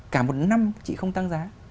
cả một năm chị không tăng giá